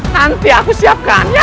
nanti aku siapkan ya